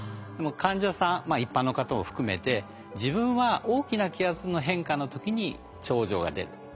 でも患者さん一般の方を含めて自分は大きな気圧の変化の時に症状が出る。